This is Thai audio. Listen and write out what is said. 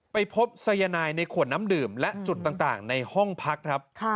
ไปพบสายนายในขวดน้ำดื่มและจุดต่างในห้องพักครับ